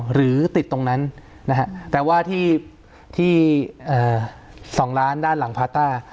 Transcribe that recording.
หรือติดตรงนั้นนะฮะแต่ว่าที่๒ล้านด้านหลังพาต้า